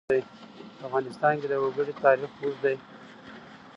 په افغانستان کې د وګړي تاریخ اوږد دی.